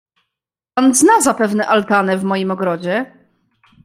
"Pan zna zapewne altanę w moim ogrodzie?"